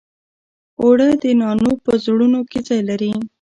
اوړه د نانو په زړونو کې ځای لري